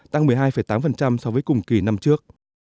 tăng một mươi hai tám so với cùng kỳ năm trước